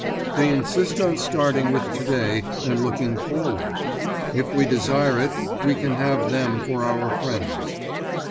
They insist on starting with today and looking forward. If we desire it, we can have them for our friends.